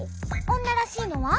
おんならしいのは？